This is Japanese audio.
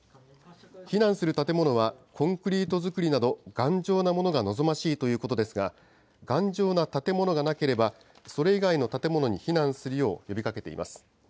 避難する建物は、コンクリート造りなど頑丈なものが望ましいということですが、頑丈な建物がなければ、それ以外の建物に避難するよう呼びかけています。